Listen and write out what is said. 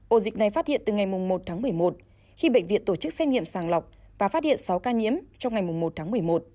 ổ dịch này phát hiện từ ngày một tháng một mươi một khi bệnh viện tổ chức xét nghiệm sàng lọc và phát hiện sáu ca nhiễm trong ngày một tháng một mươi một